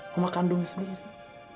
mama kandung sendiri